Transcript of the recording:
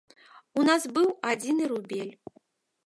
У нас быў адзіны рубель.